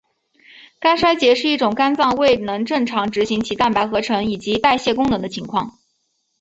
肝衰竭是一种肝脏未能正常执行其蛋白合成以及代谢功能的情况。